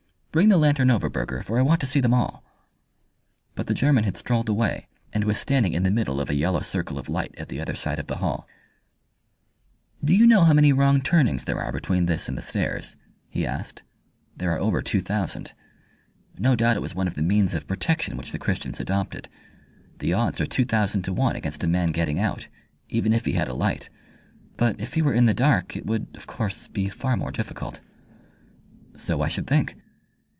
Bring the lantern over, Burger, for I want to see them all." But the German had strolled away, and was standing in the middle of a yellow circle of light at the other side of the hall. "Do you know how many wrong turnings there are between this and the stairs?" he asked. "There are over two thousand. No doubt it was one of the means of protection which the Christians adopted. The odds are two thousand to one against a man getting out, even if he had a light; but if he were in the dark it would, of course, be far more difficult." "So I should think."